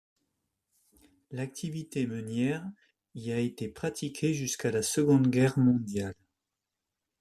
L'activité meunière y a été pratiquée jusqu'à la Seconde Guerre mondiale.